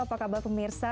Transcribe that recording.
apa kabar pemirsa